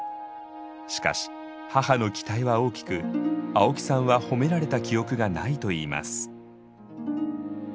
しかし母の期待は大きく青木さんは褒められた記憶がないといいます。